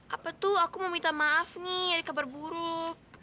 apa tuh aku mau minta maaf nih ada kabar buruk